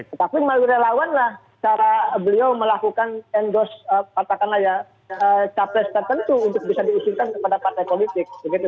tetapi melalui relawan lah cara beliau melakukan endorse katakanlah ya capres tertentu untuk bisa diusulkan kepada partai politik